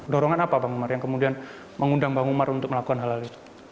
dorongan apa bang umar yang kemudian mengundang bang umar untuk melakukan hal hal itu